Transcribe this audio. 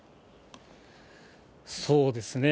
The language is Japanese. そうですね。